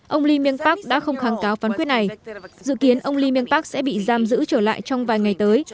ông lee myung park đã không kháng cáo phán quyết này dự kiến ông lee miên park sẽ bị giam giữ trở lại trong vài ngày tới